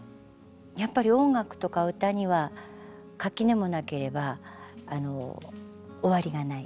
やっぱり音楽とか歌には垣根もなければ終わりがない。